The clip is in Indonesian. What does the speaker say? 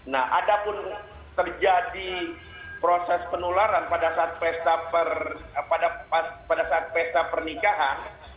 nah ada pun terjadi proses penularan pada saat pesta pernikahan